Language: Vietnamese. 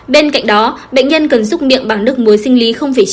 bên cạnh đó bệnh nhân cần giúp miệng bằng nước muối sinh lý chín